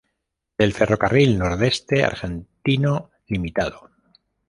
Del Ferrocarril Nordeste Argentino Limitado.